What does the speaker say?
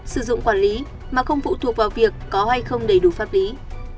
sử dụng quản lý mà không phụ thuộc vào việc có hay không đầy đủ pháp lý